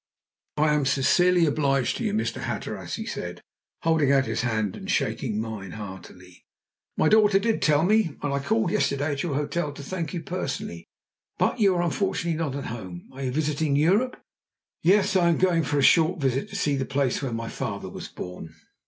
"I am sincerely obliged to you, Mr. Hatteras," he said, holding out his hand and shaking mine heartily. "My daughter did tell me, and I called yesterday at your hotel to thank you personally, but you were unfortunately not at home. Are you visiting Europe?" "Yes; I'm going home for a short visit to see the place where my father was born."